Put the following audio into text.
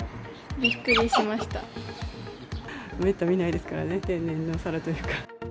めったに見ないですからね、天然の猿というか。